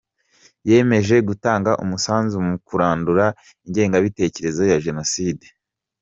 Yiyemeje gutanga umusanzu mu kurandura ingengabitekerezo ya Jenoside.